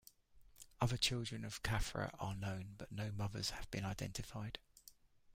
Other children of Khafra are known, but no mothers have been identified.